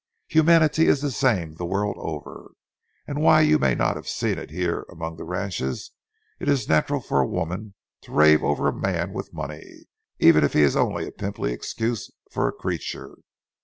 Humanity is the same the world over, and while you may not have seen it here among the ranches, it is natural for a woman to rave over a man with money, even if he is only a pimply excuse for a creature.